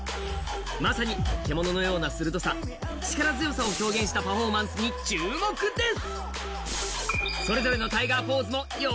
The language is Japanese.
まさに獣のような鋭さ、力強さを表現したパフォーマンスに注目です。